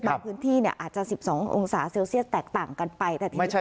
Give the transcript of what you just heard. บางพื้นที่อาจจะ๑๒องศาเซลเซียสแตกต่างกันไป